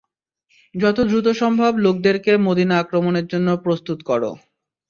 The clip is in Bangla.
যত দ্রুত সম্ভব লোকদেরকে মদীনা আক্রমণের জন্য প্রস্তুত কর।